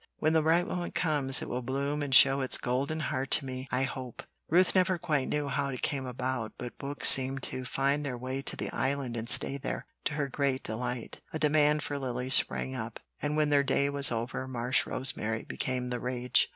When the right moment comes, it will bloom and show its golden heart to me, I hope." Ruth never quite knew how it came about, but books seemed to find their way to the Island and stay there, to her great delight. A demand for lilies sprang up, and when their day was over marsh rosemary became the rage.